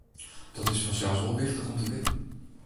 Dat is fansels wol wichtich om te witten.